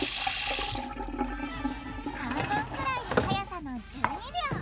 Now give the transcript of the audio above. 半分くらいのはやさの１２秒。